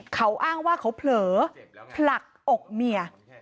เขาอ้างว่าเขาเผลอผลักอกเมีย